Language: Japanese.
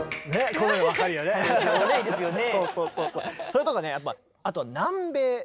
それとかねやっぱあとは南米。